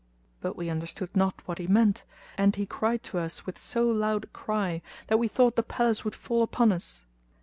But we understood not what he meant, and he cried to us with so loud a cry that we thought the palace would fall upon us.